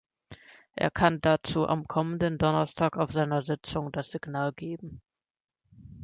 Er kann dazu am kommenden Donnerstag auf seiner Sitzung das Signal geben.